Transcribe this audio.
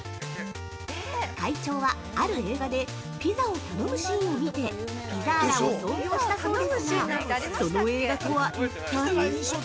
会長は、ある映画でピザを頼むシーンを見てピザーラを創業したそうですがその映画とは一体？